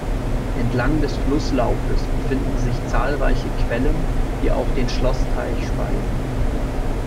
Entlang des Flusslaufes befinden sich zahlreiche Quellen, die auch den Schlossteich speisen.